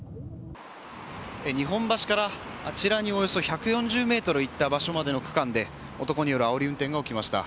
日本橋からあちらにおよそ１４０ｍ行った場所での区間で男によるあおり運転が起きました。